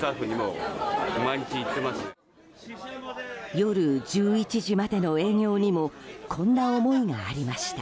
夜１１時までの営業にもこんな思いがありました。